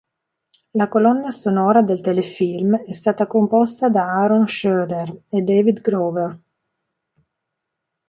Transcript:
La colonna sonora del telefilm è stata composta da Aaron Schroeder e David Grover.